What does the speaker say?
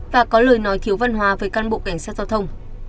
và có lời nói thiếu văn hóa với cán bộ cảnh sát giao thông